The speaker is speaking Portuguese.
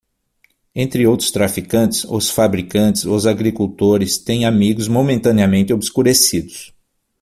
Entre os traficantes, os fabricantes, os agricultores, têm amigos momentaneamente obscurecidos.